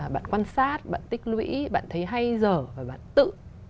bạn quan sát bạn tích lũy bạn thấy hay dở và bạn tự